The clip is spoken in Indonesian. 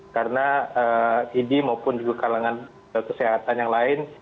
karena idi maupun juga kalangan kesehatan yang lain